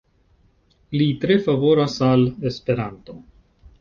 Li tre favoras al Esperanto.